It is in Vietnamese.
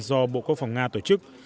do bộ quốc phòng nga tổ chức